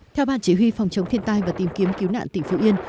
theo ban chỉ huy phòng chống thiên tai và tìm kiếm cứu nạn tỉnh phú yên